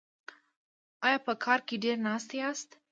ایا په کار کې ډیر ناست یاست؟